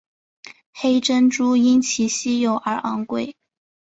黑珍珠因其稀有而昂贵。